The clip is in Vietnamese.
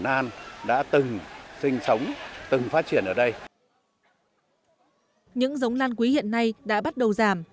những giống lan quý hiện nay đã bắt đầu giảm